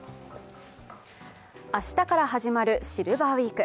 明日から始まるシルバーウイーク。